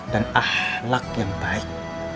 dan ahlak yang baik